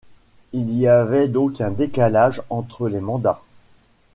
Il y avait donc un décalage entre les mandats.